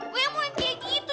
gue yang mau nanti kayak gitu